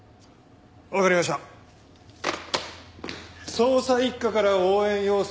捜査一課から応援要請。